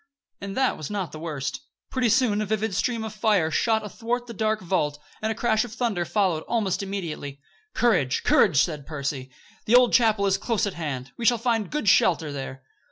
And that was not the worst. Pretty soon a vivid stream of fire shot athwart the dark vault, and a crash of thunder followed almost immediately. "Courage, courage!" said Percy. "The old chapel is close at hand. We shall find good shelter there."